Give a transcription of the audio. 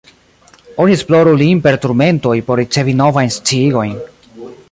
Oni esploru lin per turmentoj, por ricevi novajn sciigojn.